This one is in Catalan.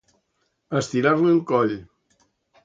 Estirar-li el coll.